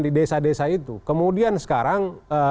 di desa desa itu kemudian sekarang